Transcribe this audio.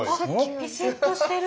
ビシッとしてる。